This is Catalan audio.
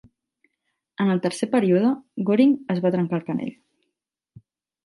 En el tercer període, Goring es va trencar el canell.